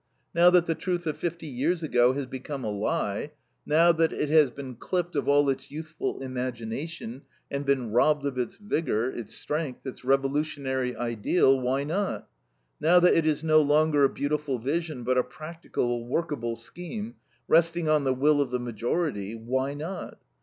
Now that the truth of fifty years ago has become a lie, now that it has been clipped of all its youthful imagination, and been robbed of its vigor, its strength, its revolutionary ideal why not? Now that it is no longer a beautiful vision, but a "practical, workable scheme," resting on the will of the majority, why not?